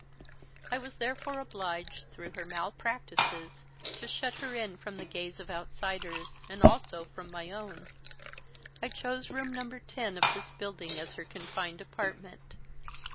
"I was therefore obliged through her mal practices to shut her in from the gaze of outsiders, and also from my own. I chose Room No. 10 of this building as her confined apartment.